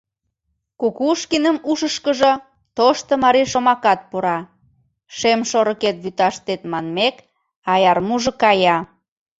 Кукушкиным ушышкыжо тошто марий шомакат пура: «Шем шорыкет вӱташтет манмек, аярмужо кая.